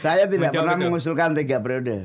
saya tidak pernah mengusulkan tiga periode